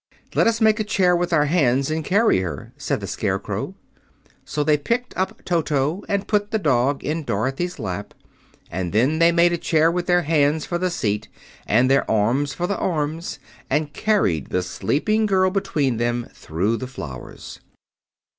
"Let us make a chair with our hands and carry her," said the Scarecrow. So they picked up Toto and put the dog in Dorothy's lap, and then they made a chair with their hands for the seat and their arms for the arms and carried the sleeping girl between them through the flowers.